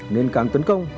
nên càng tấn công